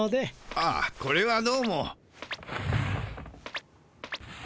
ああこれはどうも。